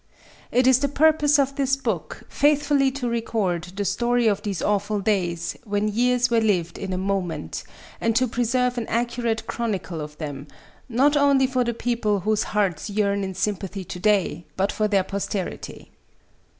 It is the purpose of this book faithfully to record the story of these awful days when years were lived in a moment and to preserve an accurate chronicle of them, not only for the people whose hearts yearn in sympathy to day, but for their posterity.